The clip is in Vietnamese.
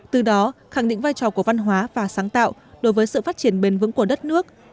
từ đó khẳng định vai trò của văn hóa và sáng tạo đối với sự phát triển bền vững của đất nước